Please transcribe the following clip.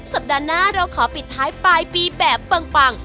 สัปดาห์หน้าเราขอปิดท้ายปลายปีแบบปัง